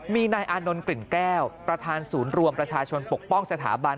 มีนายอานนท์กลิ่นแก้วประธานศูนย์รวมประชาชนปกป้องสถาบัน